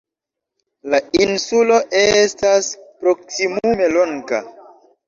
La insulo estas proksimume longa.